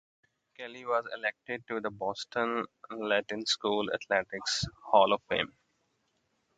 Kelley was elected to the Boston Latin School Athletics Hall of Fame.